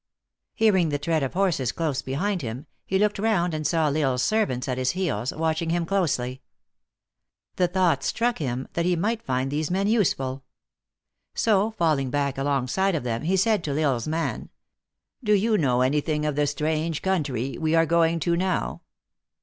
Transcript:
Hearing the tread of horses close behind him, he looked round and saw L Isle s servants at his heels, watching him closely. The thought struck him, that he might find these men useful. So, falling back 246 THE ACTRESS IN HIGH LIFE. pV alongside of them, he said to L Isle s man :" Do yon know any thing of the strange country we are going to now